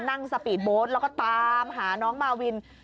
สปีดโบสต์แล้วก็ตามหาน้องมาวิน